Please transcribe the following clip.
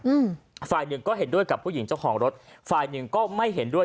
อืมฝ่ายหนึ่งก็เห็นด้วยกับผู้หญิงเจ้าของรถฝ่ายหนึ่งก็ไม่เห็นด้วย